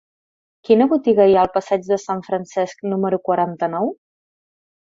Quina botiga hi ha al passeig de Sant Francesc número quaranta-nou?